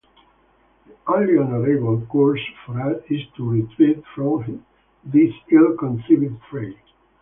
The only honourable course for us is to retreat from this ill-conceived fray.